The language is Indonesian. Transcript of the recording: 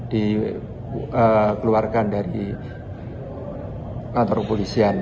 dikeluarkan dari kantor kepolisian